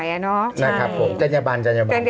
โอเคโอเคโอเค